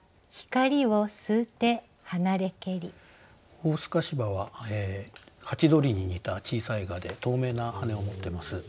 大透翅蛾はハチドリに似た小さい蛾で透明な羽を持ってます。